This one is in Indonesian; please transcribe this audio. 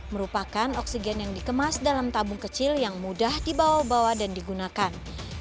merupakan oksigen yang dikemas dalam tabung kecil yang mudah dibawa bawa dan digunakan